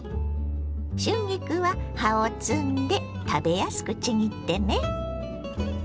春菊は葉を摘んで食べやすくちぎってね。